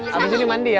harusnya dimandi ya